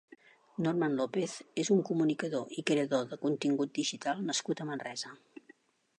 Norman López és un comunicador i creador de contingut digital nascut a Manresa.